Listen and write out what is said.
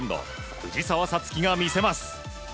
藤澤五月が見せます。